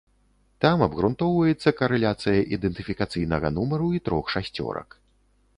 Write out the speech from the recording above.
Там абгрунтоўваецца карэляцыя ідэнтыфікацыйнага нумару і трох шасцёрак.